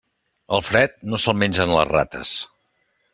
El fred, no se'l mengen les rates.